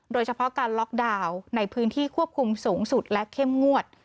โดยเฉพาะการล็อกดาวน์ในพื้นที่ควบคุมสูงสุดและเข้มงวด